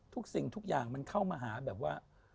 สิ่งทุกอย่างมันเข้ามาหาแบบว่า